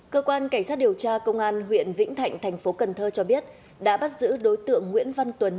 cơ quan cảnh sát điều tra công an huyện vĩnh thạnh tp cn cho biết đã bắt giữ đối tượng nguyễn văn tuấn